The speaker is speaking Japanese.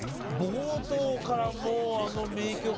冒頭からもうあの名曲を。